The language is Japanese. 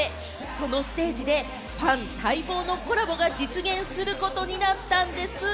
そのステージでファン待望のコラボが実現することになったんです。